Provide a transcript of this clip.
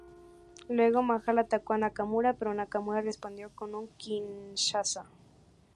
Luego, Mahal atacó a Nakamura, pero Nakamura respondió con un "Kinshasa".